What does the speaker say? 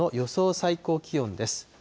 最高気温です。